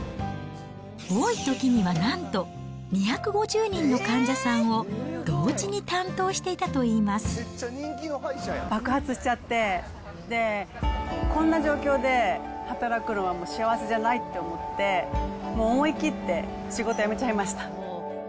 多いときにはなんと、２５０人の患者さんを同時に担当してい爆発しちゃって、で、こんな状況で働くのはもう幸せじゃないって思って、もう、思い切って仕事辞めちゃいました。